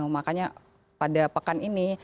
makanya pada pekan ini